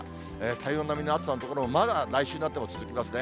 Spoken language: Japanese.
体温並みの暑さの所、まだ来週になっても続きますね。